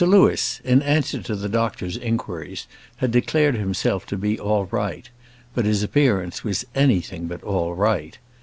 Sir Louis, in answer to the doctor's inquiries, had declared himself to be all right; but his appearance was anything but all right.